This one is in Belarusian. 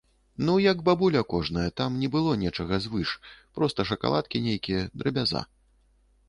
Ну як бабуля кожная, там не было нечага звыш, проста шакаладкі нейкія, драбяза.